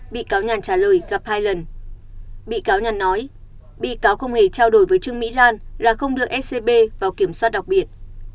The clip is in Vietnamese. bị cáo nhàn nói bị cáo không hề trao đổi với trương mỹ lan là không đưa scb vào kiểm soát đặc biệt